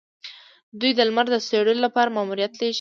دوی د لمر د څیړلو لپاره ماموریت لیږلی.